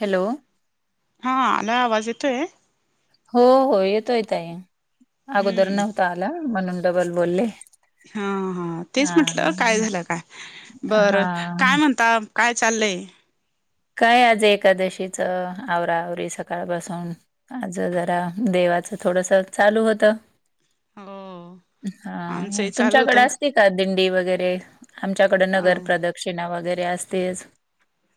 Hello. हा. [unintelligible] आवाज येतोयं? हो हो. येतोय ताई. अगोदर हम्म नव्हता आला म्हणून डबल बोलले. हां. हां. तेच हा म्हटलं हा काय हा. झाल का? बरं काय हा म्हणता? काय चाललंय? काय आज एकादशीच आवरा आवरी सकाळपासून. माझं जरा देवाचं थोडसं चालू होतं. हो. हां. म आमचंही चालू तुमच्याकडे होतं असती का दिंडी वगैरे? आमच्याकडे अ नगर प्रद- -क्षिणा वगैरे असतेचं.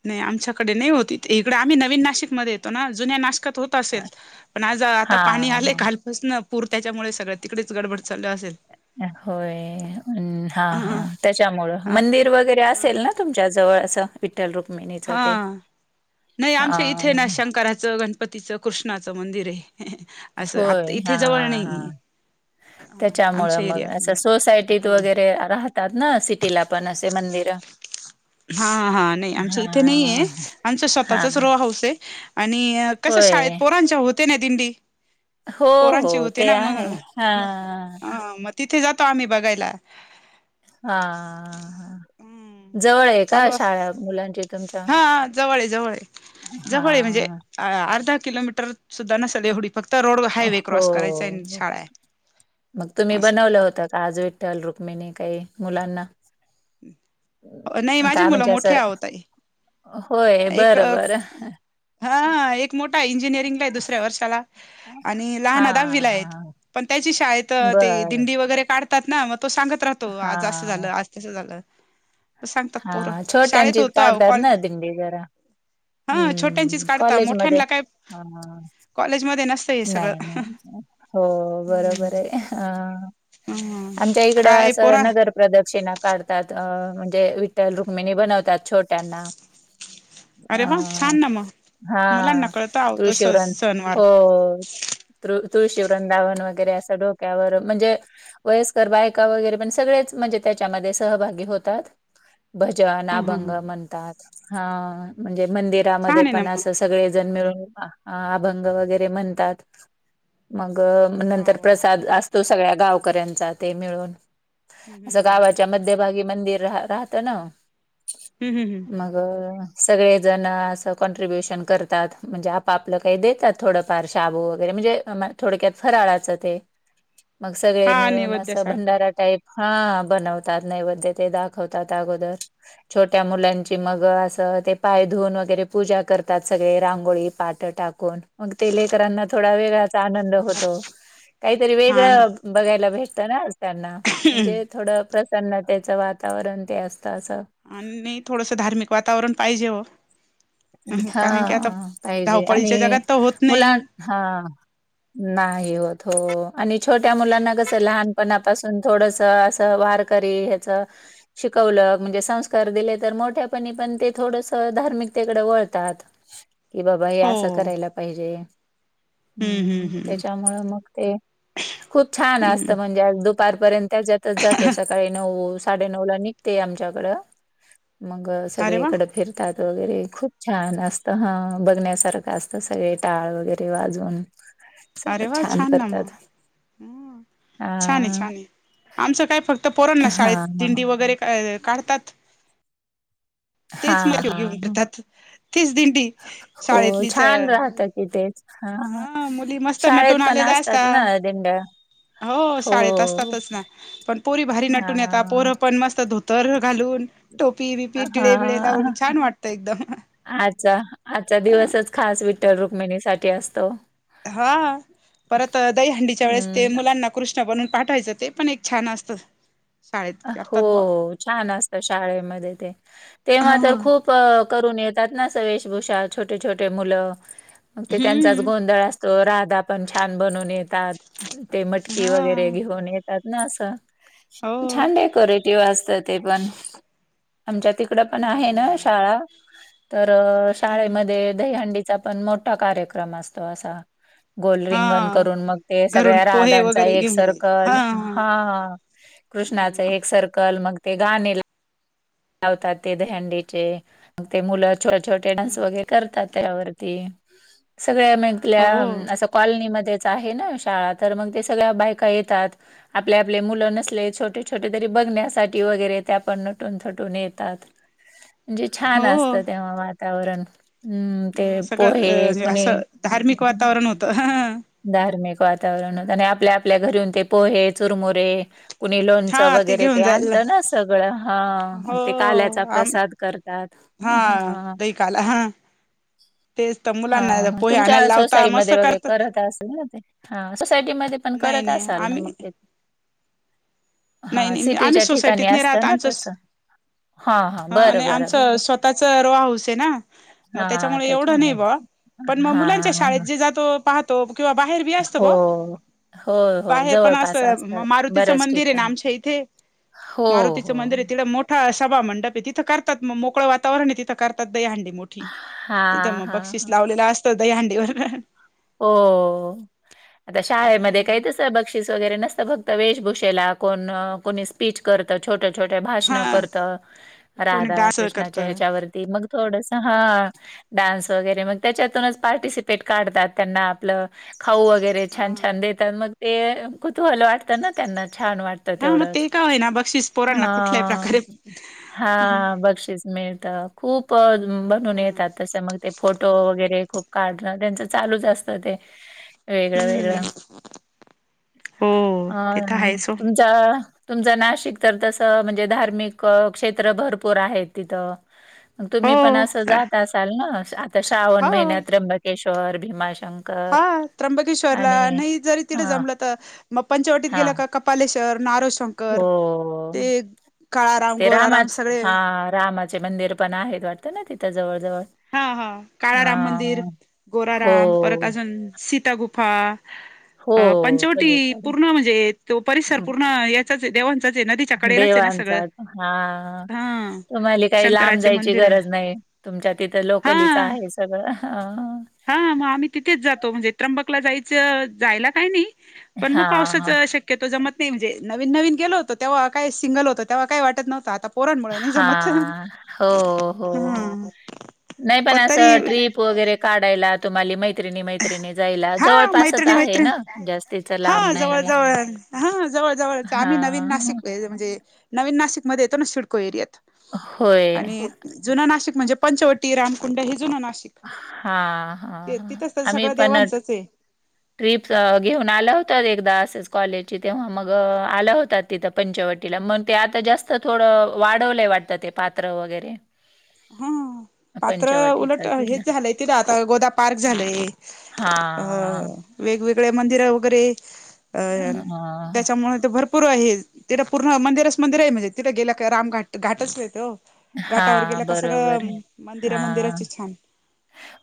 नाही आमच्याकडे नाही होत इथे. इकडें आम्ही नवीन नाशिकमध्ये येतो ना? जुन्या नाशकात होत. असेल. पण आज आता हा पाणी आलंय काल- स ना पूर त्याच्यामुळे सगळ्या तिकडेच गडबड चालू असेल. होय. हं. हा ह हा. त्याच्यामुळं. ह मंदिर वगैरे असेल ना? तुमच्या जवळ असं विठ्ठल रुक्मिणीच ते. हा नाही आमच्या इथं हा ना शंकराचं, गणपतीचं, कृष्णाचं मंदिर आहे. असं. होय. आता इथे जवळ नाही ए. त्याच्यामुळे मग असं सोसायटीत वगैरे राहतं- -तात ना सिटीला असे मंदिर? हा, हा. नाही आमचं इथे नाही आहे, हां, आमचं हां. स्वतःचच रो हाऊस आहे आणि कसं शाळेत होय. पोरांच्या होते ना दिंडी. हो, हो. पोरांची होते ते ना मग, आहे. हां, अ मग तिथे जातो आम्हीं बघायला. हा....... हा. हम्म जवळ आहे चालू का अस शाळा मुलांची तुमच्या? हा जवळ हा..... अ अर्धा किलोमीटर सुद्धा नसलं ऐवडी. हो... आहे मग तुम्हीं असं बनवलं होतं? आज विठ्ठल -रुक्मिणी काही मुलांना. [inaudible] नाही माझे का मुलं म्हणजे मोठे असं आहे अहो ताई होय. एक बरं, बरं. हा एक मोठा इंजिनिअरिंगला आहे दुसऱ्या वर्षाला. आणि लहाना हां, दहावीला आहेत, हां. पण त्याची शाळेत ते बरं. दिंडी वगैरे काढ काढतात ना मग तो सांगत राहतो, आज असं हां. झालं, आज तसं झालं. सांगतात पोरं हा शाळेत छोट्यांचीच होतं आवो काढतात कॉलेज ना दिंडी जरा हां.. हम्म छोटयाचीच काढता कॉलेजमध्ये मोठ्यांना काय हा कॉलेजमध्ये नस नाही, नाही. हो बरोबर आहे अ हम्म आमच्या इकडं काय असं पोरा नगर प्रदक्षिणा काढतात म्हणजे अं विठ्ठल- रुक्मिणी बनवतात छोट्यांना. अरे अ वा छान ना मग हा मुलांना कळत आहो तस तुळशी वृंन सणवार हो... त तुळशी वृंदावन वगैरे असं डोक्यावर म्हणजे वयस्कर बायका वगैरे पण सगळेच म्हणजे त्याच्यामध्ये सहभागी होतात. भजन ह अभंग ह म्हणतात, हं, म्हणजे मंदिरामध्ये छान आहे ना पण मग असच सगळेजण मिळून अभंग वगैरे म्हणतात, मग अ वा नंतर वा प्रसाद असतो, सगळ्या गावकऱ्यांचा ते मिळून. हम्म असं हम्म गावाच्या मध्यभागी मंदिर रा राहतं ना. हु... हुं.. ह.. मग, सगळे जण असं कॉन्ट्रीब्युशन करतात. म्हणजे आप- आपलं काही देतात थोडं फार. शाबू वगैरे, म्हणजे थोडक्यात फराळाचं ते. मग सगळे हा मिळून असं नैवेद्यासारखं भंडारा टाईप हा बनवतात नैवद्य ते दाखवतात अगोदर. छोट्या मुलांची मग असं ते पाय धूवून वगैरे पूजा करतात सगळे, रांगोळी पाठं टाक कून मग ते लेकरांना थोडा वेगळाच आनंद होतो, काहीतरी हा वेगळं बघायला भेटत ना त्यांना, म्हणजे थोडं प्रसन्नतेचं वातावरण ते असतं असं. आणि थोडंसं धार्मिक वातावरण पाहिजे वो. हा पाहिजे आणि धावपळीच्या जगात तर होत नाही मुलां हा. नाही होत हो आणि छोट्या मुलांना कस लहानपणापासून थोडसं असं वार करी ह्याचं शिकवलं म्हणजे संस्कार दिले तर मोठ्यापणी पण ते थोडसं धार्मिक ते कडे वळतात की बाबा हे हो असं करायला पाहिजे. हम्म हम्म हू.. हम्म त्याच्यामुळं मग ते- खूप छान हम्म असतं म्हणजे आज दुपारपर्यंत त्याच्यातच जातो, सकाळी नऊ साडे नऊला नि घते आमच्याकडं मग अरे वा सगळीकडं फिरतात वगैरे खूप छान असत हं, बघण्यासारखं असतं, सगळे टाळ वगैरे वाजवून सगळं अरे वा छान ना करतात. मग, म छान हे, हां. छान हे. आमचं काय फक्त पोराना हां, शाळेत हां. दिंडी वगैरे काढतात तेच हां, मग घेऊन हां. जातात, तेच दिड डी हो, शाळेतलीच छान अं राहतं की तेच. हां. हा, मुली मस्त शाळेत नटून पण आलेल्या असतात आसता ना दिंड्या. हो शाळेत हो. असतातच ना, पण पोरी भारी नटून येता, हां. पोरं पण मस्त धो तर घालून टोपी बिपी हा, टिळे बिळे लावून छान वाटतं एकदम आच्छा आजचा दिवसच खास विठ्ठल -रुक्मिणीसाठी असतो. हा, परत दहीहंडीच्या वेळेस ते हं. मुलांना कृष्ण बनवून पाठवायचं, ते पण एक छान असतं. शाळेत करतात बुवा. हो, छान असत शाळेमध्ये ते, तेव्हा हा हा. मातर खूप करून येतात ना, वेशभूषा छोटे- छोटे मुलं, ते त्यांच्याच हम्म गोंधळ असतो, ते राधा पण छान बनून येतात, ते मटकी वगैरे हा घेऊन येत येतात ना असं, हो छान डेकोरेटिव असतं ते पण आमच्या तिकडं पण आहे ना हम्म. शाळा, तर हम्म हम्म शाळेमध्ये दहीहंडीचा पण मोठा कार्यक्रम असतो असा. गोल रिंगण हा करून मग ते घरून सगळ्या पोहे राधांचा वगैरे एक घेऊन जायचे सर्कल, हा हा कृष्णाच हम्म एक सर्कल, मग ते गाणे लावतात ते दहिहंडीचे, मग ते मुलं छोटे डान्स हम्म वगैरे करतात त्यावरती, हो सगळ्या असं कॉलनी मधे आहे ना शाळा, तर मग ते सगळ्या बायका येतात. आपले आपले मुलं नसले छोटे छोटे तरी, बघण्यासाठी ते न टून येतात, म्हणजे छान असत हो. तेव्हा वातावरण. हम्म हम, ते पोहे सगळं अ असं कुणी धार्मिक वातावरण होतं. धार्मिक वातावरण होत आणि आपल्या आपल्या घरीन ते पोहे, चुरमुरे कुणी लोणचं हा वगैरे ते घेऊन आणत जायला ना सगळं हा. हो आणि ते काल्याचा आम प्रसाद करतात हा ह. दही काला हा. तेच तर हा मुलांना ह पोहे तुमच्या आणायला लावता मस्त सोसायटीमध्ये वगैरे करतात. करत असेल ना ते? हा सोसायटीमध्ये पण नाही करत नाही असाल ना आम्ही मग ते? नाही हां, नाही आम्ही सिटीच्या सोसायटीत ठिकाणी नाही राहत असतं ना आमचं तसं. हां, हां. हा बरं, नाई बरं, आमचं बरं. स्वतःच रो हाउस हे ना मग हां, त्येच्यामुळे एवढं नाही त्याच्यामुळे. बुवा पण म मुलांच्या हां, शाळेत हां. जे जातो पाह त किंवा बाहेर बी असत बो, हो. हो, हो. बाहेर पण अस जवळपास असतात मारुतीच बऱ्याच मंदिर ये ना ठिकाणी. इथे हो, मारुतीच हो, मंदिरय हो. तिकडं मोठ सभा मंडप हे तिथं करतात मोकळं वातावरण हे तिथं करतात दही हंडी मोठ ठी, तिथं हां, मग हां. बक्षीस लावलेलं असत दहीहंडी वरन हो, आता शाळेमध्ये काय हम्म तसं ब क्षीस वगैरे नसतं फक्त वेशभूषेला कोन कोणी स्पीच करत छोट्या, छोट्या भाषणं हा करत कोणी राधा डान्स करत कृष्णाच्या हा ह्याच्यावरती मग थोडस हा, डान्स वगैरे मग त्याच्यातूनच पार्टिसिपेट काढतात त्यांना आपलं खाऊ वगैरे छान, छान देतात मग ते कुतुहल वाटतं ना त्यांना छान वाटतं ते हा मग तेवढंच का होय ना बक्षीस पोरांना कुठल्याही हां, प्रकारे हा बक्षीस मिळत, खूप बनून हम्म. येतात तस मग ते फोटो वगैरे खूप काढणं त्यांचंच चालूच असत ते. वेगळं हम्म वेगळं हो ते तर अह आहेच ओ तुमच तुमचं नाशिक तर तसं म्हणजे धार्मिक क्षेत्र भरपूर आहेत तिथं मग तुम्ही पण हो. असं जात असाल ना आता हा श्रावण महिन्यात त्र्यंबकेश्वर भीमाशं हां त्र्यंबकेश्वरला नाही जरी तिकड हा जमलं त मग पंचवटीत हा गेल का कपालेश्वर, नारो शंकर हो. ते काळाराम ते गोराराम रामाच, सगळे हा, रामाचे मंदिर पण आहेत वाटतं ना तिथं जवळ जवळ. हा हा काळाराम मंदिर, हां. हो, गोराराम परत अजून सीतागुप्त हा, हो. पंचवटी म्हणजे पलीकडे. पूर्ण म्हणजे तो परिसर हं. पूर्ण याचाच आहे देवां देवांचा हा हा तुम्हाले काय लांब शंकराचे जायची मंदिर आहे गरज नाही. तुमच्यात तिथं लोकलीच हा आहे सगळं. हा, मग आम्ही तिथेच जातो म्हणजे त्र्यंबकला जायचं जायला काही नाही पण मग पावसाच हां, शक्य तो जमत नाही म्हणजे नवीन नवीन गेलो होतो तेव्हा काय सिंगल होतं तेव्हा काय वाटत नव्हतं आता पोरांमुळे नाही जमत. हां. हो, हो, हो. हम्म. नाही पण असं ट्रीप वगैरे काढायला तुम्हाले मै त्रिणी मैत्रिणी जायला हा जवळपासच मैत्रिणी आहे मैत्रिणी ना जास्तीच लांब नाहीये. हां जवळ जवळ तर आम्ही नवीन हां. नाशिक म्हणजे नवीन नाशिकमध्ये येतो ना सिडको एरियात. होय. आणि जुनं नाशिक म्हणजे पंचवटी, रामकुंड हे जुनं नाशिक. हा हा ते हा तिथंच तर आम्ही सगळं पण देवांचंच आहे ट्रिप घेऊन आलं होतात एकदा असेच कॉलेजची तेव्हा मग आलं होतात तिथं पंचवटीला. म्हणून ते आता जास्त थोडं वाढवलय वाटतं ते पात्र वगैरे. हां पात्र उलट पंचवटीचं तिथलं. हेच झालंय तिथ आता गोदा पार्क झालंय. अ हां. वेगवेगळे मंदिर वगैरे अ त्याच्यामुळे ते भर पूर आहे. तिथं पूर्ण मंदिरच मंदिर आहे म्हणे तिथ गेल का रामघाट घाटच येते वो. हा बरं. सगळं मंदिरा मंदिराची छान.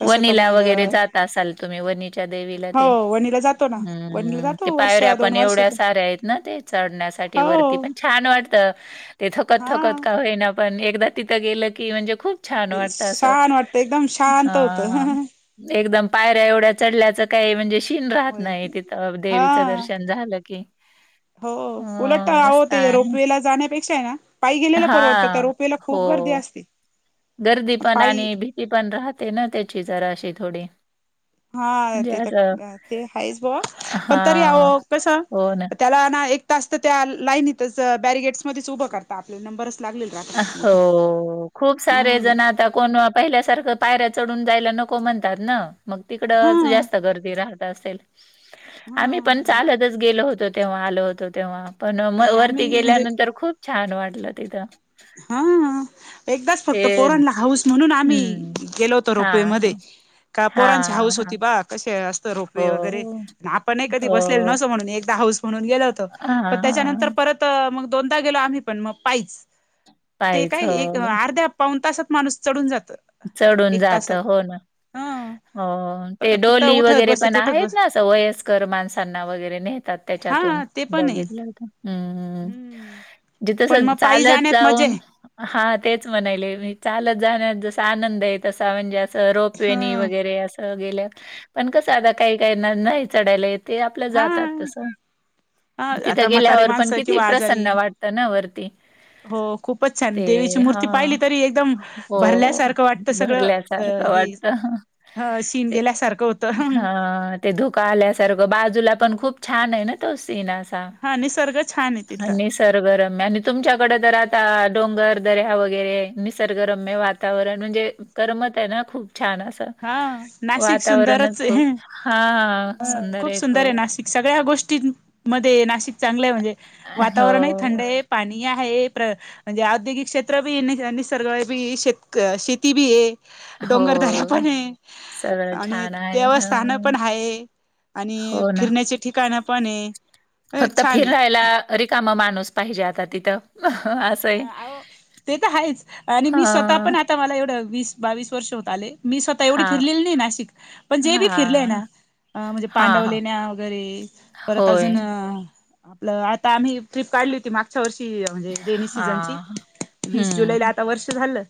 तसं तर वनीला मग वगैरे जात असाल तुम्ही वनीच्या देवीला हो ते वणीला जातो ना वणीला हम्म ते जातो वर्ष पायऱ्या दोन पण एवढ्या वर्षातून साऱ्या आहेत ना ते चढण्यासाठी वरती हो पण छान वाटत. ते थकत हा थकत का होईना पण एकदा तिथं गेलं की म्हणजे खूप छान वाटतं असं. छान वाटतं एकदम शांत होत. हा, एकदम पायऱ्या एवढ्या चढल्याचं काय म्हणजे शीण राहत होय नाही तिथ देवीचं हा दर्शन झालं की. हो उलट अं, आहो मस्त ते आहे. रोपवेला जाण्यापेक्षा आहे ना पायी गेलेल परवडत, त्या हां. रोपेला खूप गर्दी हो. असते. गर्दी पण पाळी आणि भीती पण राहते ना त्याची जराशी थोडी. हा म्हणजे ते तर असं [unintelligible] ते हायचं बुवा पण तरी अहो हां. कस हो ना. त्याला ना एक तास तर त्या लाईनीतच बॅरिगेट्सध्येच उभं करता आपल्याला नंबरच लागलेल हो, खूप सारे ह जण आता कोण पहिल्यासारखं पायऱ्या चढून जायला नको म्हणतात ना. मग तिकडंच हा जास्त गर्दी राहत असेल. आम्ही पण हा चालतच गेलो होतो तेव्हा आलो होतो तेव्हा. पण म नाही वरती आम्ही म्हणजे गेल्यानंतर खूप छान वाटलं तिथं. हा एकदाच फक्त ते पोरानला हौस म्हणून आम्ही हं. गेलो होतो हां, रोपवेमध्ये, हां. का पोरांची हां, हौस हां. होती. बा कसे असतं रोप हो, वे वगैरे, अनं आपणही कधी बसलेलो हो. नसो म्हणून एकदा हौस म्हणून गेलो होतो. हां, पण त्याच्यानंतर हां. परत मग दोनदा गेलो. आम्ही पण मग पाईच ते पायीच काय हो. एक, अर्ध्या पाऊन तासात माणूस चढून जातं. चढून जात हो ना ह हो. ते फक्त डोली उठत वगैरे पण बसत उठत आहेत ना बसत असं, वयस्कर माणसांना वगैरे नेहतात त्याच्यातून हा ते पण आहे बघितलं होत. हम्म हम्म, जे तस पण मग पायी चालत जाण्यात मजा जाऊन आहे हा तेच म्हणालेय मी चालत जाण्यात जसा आनंद ये, तसा म्हणजे असं रोप. वेणी ह वगैरे असं गेल्या. पण, कसं आता काही काहीना नाही चढायला येत. तेे आपल्या हा जातात. तस, हा तिथं आता म्हातारे गेल्यावर पण माणसं किती किंवा आजारी प्रसन्न वाटत ना वरती हो, खूपच छान, ते देवीची मूर्ती हां. पाहिली तरी एकदम हो, भरल्यासार वाटत सगळं, अ भरल्यासारखं हे वाटतं. ह शीन ते गेल्यासारखं होतं. हां, ते धुक आल्यासारखं, बाजूला पण खूप छान ये ना तो सीन असं हा निसर्ग छान आहे ता [unintelligible] हा तिथला निस सर्गरम्य आणि तुमच्याकड तर आता डोंगर, दऱ्या वगैरे निसर्गरम्य वातावरण म्हणजे कर्मत ये ना खूप छान अस त, हा नाशिक वातावरणच सुंदरच खूप, आहे हा सुंदर ये खूप सगळ्या गोष्टींमध्ये नाशिक चांगलं ये, म्हणजे वातावरण ही थंड हो, ये. पाणी ये हाये. प्र म्हणजे औद्योगिक क्षेत्र बी, निसं निसर्ग बी शेत शेती बी ये. हो. डोंगरदऱ्या पण ये. सगळं आणि छान आहे. देवस्थान पण हां, हाये. आणि हो ना. फिरण्याचे ठिकाणं पण ये. फक्त फिररायला रिकाम माणूस पाहिजे आता तिथं. आसं हं आओ, ते तर हायेच. आणि मी स्वतः पण हां, आता मला एवढं वीस बावीस वर्ष होत आले मी स्वतः एवढी हां, फिरलेली नाई नाशिक, पण जे बी फिरलेय हां, ना अ म्हणजे हां, हां. पांडवलेण्या वगैरे परत होय. अजून आपल आता आम्ही ट्रिप काढली होती. मागच्या वर्षी म्हणजे ती रेनी सीझनची. हां, वीस हं. जुलैला आता वर्ष झालं.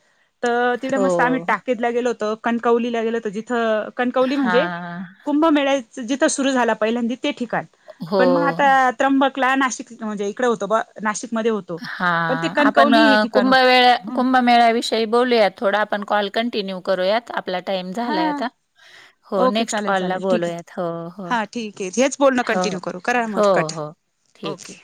त तिडं हो, मस्त आम्ही, टाकिदला गेलो होतो. कणकवलीला गेलो होतो. जिथं कणकवली म्हणजे, हां. कुंभमेळ्या जिथं सुरू झाला पहिल्यांदी ते ठिकाण. हो, पण मग आता त्र्यंबकला नाशिक म्हणजे इकड होतं बुआ नाशिकमध्ये होतो. हा पण ते आपण कणकवली हे ठिकाण होत कुंभमवेळा, कुंभमेळ्या विष यी बोलूया, थोडा आपण कॉल कंटिन्यू करूयात. आप आपला टाईम हा झालाय आता, हो ओके नेक्स्ट चालेल कॉलला चालेल ठीक आहे. बोलूयात हो, हो. हा ठीक ये. हेच बोलणं कंटिन्यू करू. करा मग कट ठीकये. ओके.